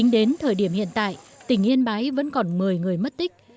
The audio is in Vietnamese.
đến thời điểm hiện tại tỉnh yên bái vẫn còn một mươi người mất tích